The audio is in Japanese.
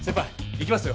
行きますよ。